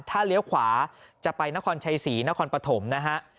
ถ้าเลี้ยวขวาจะไปนครชัยศรีนครปฐมนะฮะ